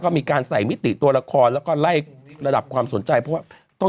ก็มีการใส่มิติตัวละครแล้วก็ไล่ระดับความสนใจเพราะว่าต้น